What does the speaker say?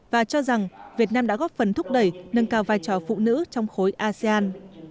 và cho rằng việt nam đã góp phần thúc đẩy nâng cao vai trò phụ nữ trong khối asean